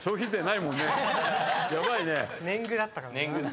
年貢だったからな。